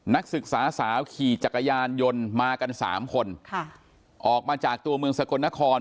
นักศึกษาสาวขี่จักรยานยนต์มากันสามคนค่ะออกมาจากตัวเมืองสกลนคร